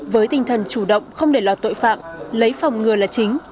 với tinh thần chủ động không để lọt tội phạm lấy phòng ngừa là chính